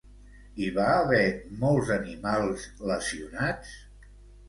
Hi va haver molts animals lesionats?